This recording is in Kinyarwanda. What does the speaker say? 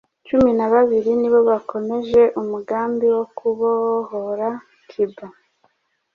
cumi nababiri nibo bakomeje umugambi wo kubohora cuba,